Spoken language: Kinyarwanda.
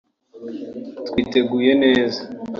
Twiteguye neza